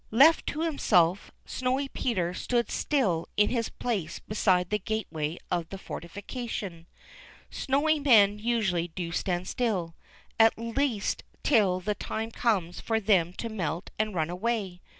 Left to himself, Snowy Peter stood still in his place beside the gateway of the fortification. Snow men usually do stand still, at least till the time comes for them to melt and run away.